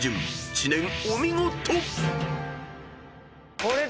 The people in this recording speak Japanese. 知念お見事！］